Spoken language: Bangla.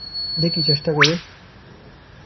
দেখি চেষ্টা করে।